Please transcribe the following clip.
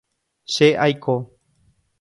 Che aiko.